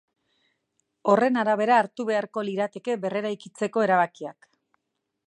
Horren arabera hartu beharko lirateke berreraikitzeko erabakiak.